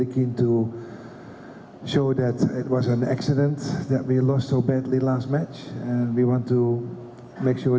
untuk menunjukkan bahwa ini adalah kejadian bahwa kita kalah dengan teruk di pertandingan terakhir